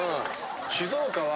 静岡は。